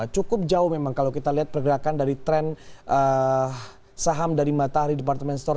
cukup jauh memang kalau kita lihat pergerakan dari tren saham dari matahari departemen store